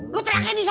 lo terakhir di sana